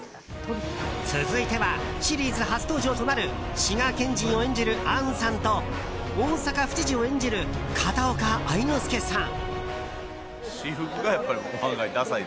続いてはシリーズ初登場となる滋賀県人を演じる杏さんと大阪府知事を演じる片岡愛之助さん。